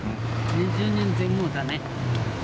２０人前後だね。